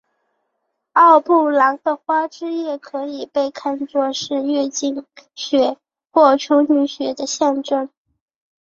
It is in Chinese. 奥布朗的花汁液可以被看做是月经血或处女血的象征。